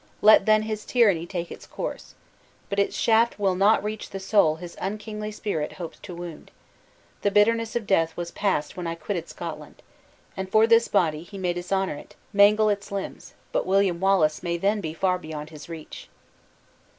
Let, then, his tyranny take its course. But its shaft will not reach the soul his unkingly spirit hopes to wound. The bitterness of death was passed when I quitted Scotland. And for this body, he may dishonor it, mangle its limbs, but William Wallace may then be far beyond his reach."